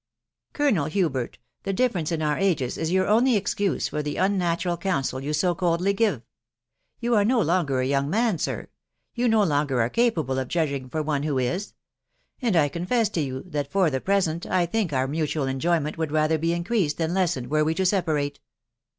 " Colonel Hubert, the difference in our ages is your only excuse for the unnatural counsel you so coldly give. You are no longer a young man, sir. ..• You no longer are capable of judging for one who is ; and I confess to you, that for the present I think our mutual enjoyment would rather be in creased than lessened were we to separate.